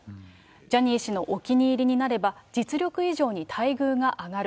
ジャニー氏のお気に入りになれば、実力以上に待遇が上がる。